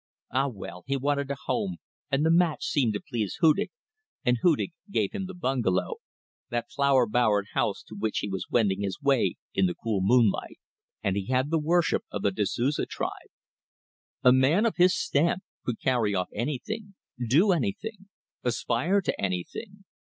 ... Ah! Well! he wanted a home, and the match seemed to please Hudig, and Hudig gave him the bungalow, that flower bowered house to which he was wending his way in the cool moonlight. And he had the worship of the Da Souza tribe. A man of his stamp could carry off anything, do anything, aspire to anything.